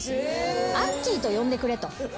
あっきーと呼んでくれと。